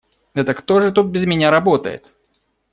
Это кто же тут без меня работает?